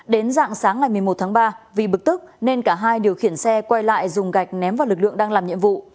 đến dạng sáng ngày một mươi một tháng ba vì bực tức nên cả hai điều khiển xe quay lại dùng gạch ném vào lực lượng đang làm nhiệm vụ